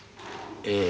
ええ。